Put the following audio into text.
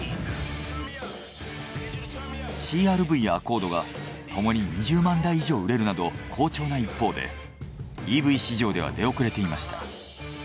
ＣＲ−Ｖやアコードがともに２０万台以上売れるなど好調な一方でＥＶ市場では出遅れていました。